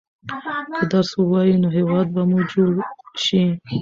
که درس ووايئ نو هېواد به مو جوړ شي.